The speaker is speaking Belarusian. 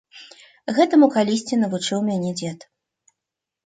Гэтаму калісьці навучыў мяне дзед.